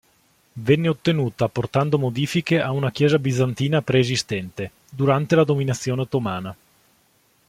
Venne ottenuta apportando modifiche a una chiesa bizantina preesistente, durante la dominazione ottomana.